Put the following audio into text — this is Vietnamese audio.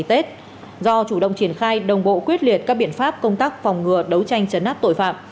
do chủ động triển khai đồng bộ quyết liệt các biện pháp công tác phòng ngừa đấu tranh chấn áp tội phạm